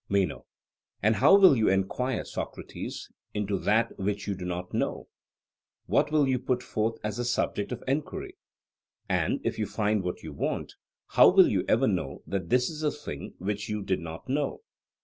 MENO: And how will you enquire, Socrates, into that which you do not know? What will you put forth as the subject of enquiry? And if you find what you want, how will you ever know that this is the thing which you did not know?